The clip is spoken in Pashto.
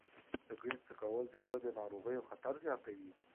سګریټ څکول د زړه د ناروغیو خطر زیاتوي.